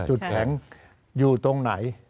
จุดแข็งอยู่ตรงไหน